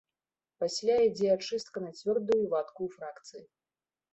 Пасля ідзе ачыстка на цвёрдую і вадкую фракцыі.